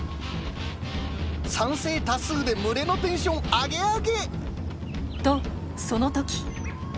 賛成多数で群れのテンションアゲアゲ！とその時。